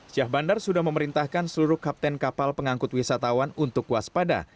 syah bandar sudah memerintahkan seluruh kapten kapal pengangkut wisatawan untuk waspada